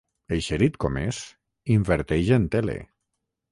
Eixerit com és, inverteix en tele.